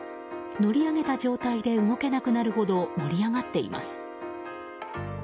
乗り上げた状態で動けなくなるほど盛り上がっています。